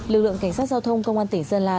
lực lượng cảnh sát giao thông công an tỉnh sơn la